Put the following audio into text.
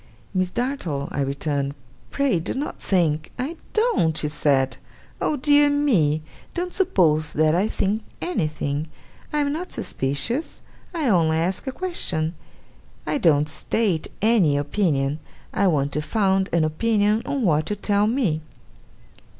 'Miss Dartle,' I returned, 'pray do not think ' 'I don't!' she said. 'Oh dear me, don't suppose that I think anything! I am not suspicious. I only ask a question. I don't state any opinion. I want to found an opinion on what you tell me.